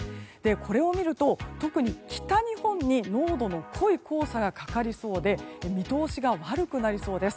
これを見ると特に北日本に濃度の濃い黄砂がかかりそうで見通しが悪くなりそうです。